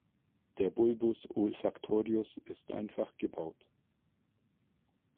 Der Bulbus olfactorius ist einfach gebaut.